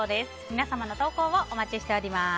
皆様の投稿をお待ちしております。